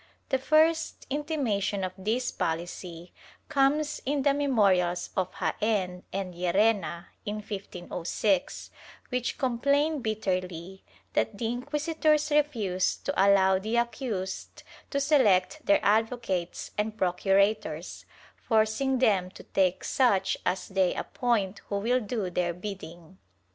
The first intimation of this policy comes in the memorials of Jaen and Llerena in 1506, which complain bitterly that the inquisitors refuse to allow the accused to select their advocates and procurators, forcing them to take such as they appoint who will do their bidding.